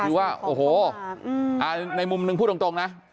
คือว่าโอ้โหในมุมหนึ่งพูดตรงนะ